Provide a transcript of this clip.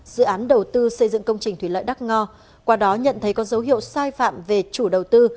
dự án đầu tư xây dựng công trình thủy lợi đắc ngo qua đó nhận thấy có dấu hiệu sai phạm về chủ đầu tư